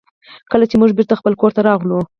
کله چې موږ بېرته خپل کور ته راغلو.